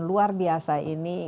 luar biasa ini